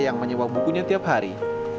yang menyewa bukunya tiap hari